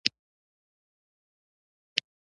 خو د حکومت برخه یې ونه ګرځېدلم.